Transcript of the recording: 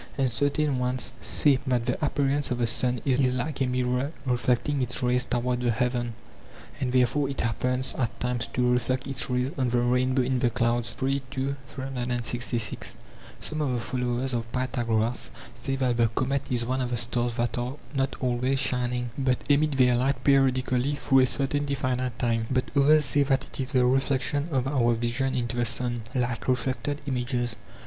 And certain ones say that the appearance of the sun is like a mirror reflecting its rays toward the heaven, and therefore it happens at times to refiect its rays on the rainbow in the clouds. Aet. ili. 2; 366. Some of the followers of Pythagoras say that the comet is one of the stars that are not always shining, but emit their light periodically through a certain definite time; but others say that it is the reflection of our vision into the sun, like reflected images.